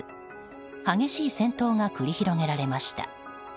激しい戦闘が繰り広げられました。